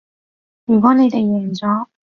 如果你哋贏咗